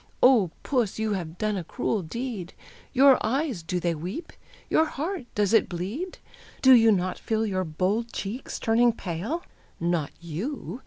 Oh, puss, you have done a cruel deed! Your eyes, do they weep? your heart, does it bleed? Do you not feel your bold cheeks turning pale? Not you!